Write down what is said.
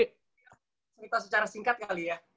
cerita secara singkat kali ya